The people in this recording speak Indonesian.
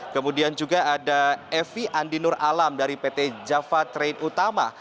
kemudian juga ada evi andinur alam dari pt java train utama